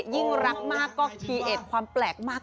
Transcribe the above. ยิ่งรักมากก็คีย์เอสความแปลกมาก